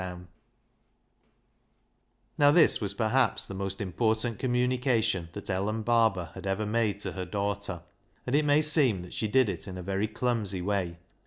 Now, this was perhaps the most important communication that Ellen Barber had ever made to her daughter, and it may seem that she did it in a very clumsy way.